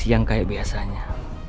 yang kayak biasanya